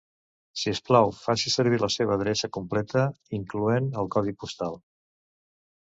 Si us plau, faci servir la seva adreça completa, incloent el codi postal.